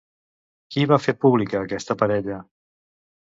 Qui va fer pública aquesta parella?